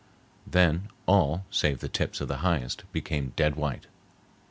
Then all save the tips of the highest became dead white.